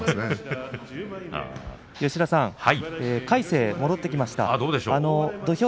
魁聖戻ってきました。